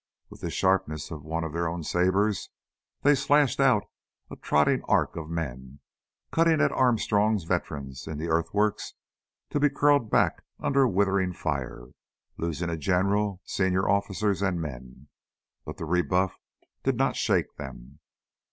With the sharpness of one of their own sabers, they slashed out a trotting arc of men, cutting at Armstrong's veterans in the earthworks to be curled back under a withering fire, losing a general, senior officers, and men. But the rebuff did not shake them.